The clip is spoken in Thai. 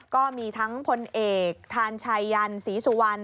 ก็มีทั้งพลเอกทานชัยยันศรีสุวรรณ